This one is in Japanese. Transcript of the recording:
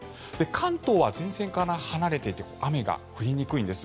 関東は前線から離れていて雨が降りにくいんです。